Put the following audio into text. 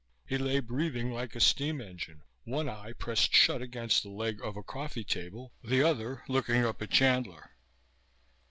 He lay breathing like a steam engine, one eye pressed shut against the leg of a coffee table, the other looking up at Chandler.